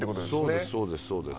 そうですそうですそうです。